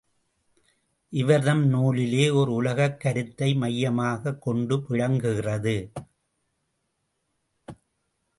இவர்தம் நூலே ஓர் உலகக் கருத்தை மையமாகக் கொண்டு விளங்குகிறது.